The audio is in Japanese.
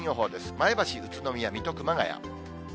前橋、宇都宮、水戸、熊谷。